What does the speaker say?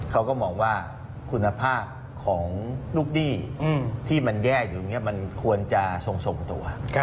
เราก็มองว่าคุณภาพของลูกดี้ที่มันแย่อยู่มันควรจะส่งสมตัว